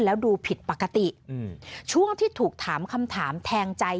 แล้วดูผิดปกติช่วงที่ถูกถามคำถามแทงใจ